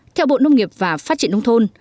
theo bộ nông nghiệp và phát triển nông thôn